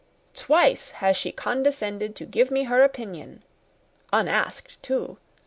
Twice has she condescended to give me her opinion (unasked too!)